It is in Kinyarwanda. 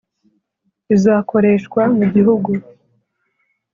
izakoreshwa mu gihugu